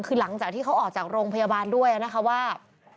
คือหลังจากที่เขาออกจากโรงพยาบาลด้วยนะคะว่า